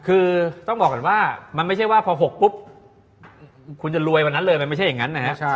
คือต้องบอกก่อนว่ามันไม่ใช่ว่าพอ๖ปุ๊บคุณจะรวยวันนั้นเลยมันไม่ใช่อย่างนั้นนะครับ